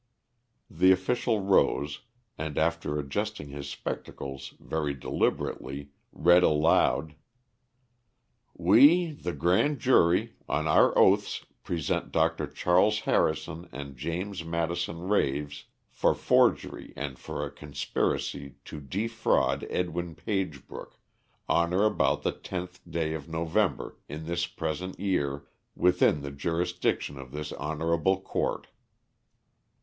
The official rose and after adjusting his spectacles very deliberately, read aloud: "We, the grand jury, on our oaths present Dr. Charles Harrison and James Madison Raves, for forgery and for a conspiracy to defraud Edwin Pagebrook, on or about the tenth day of November in this present year within the jurisdiction of this honorable court."